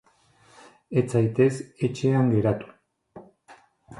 Ez zaitez etxean geratu.